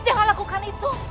jangan lakukan itu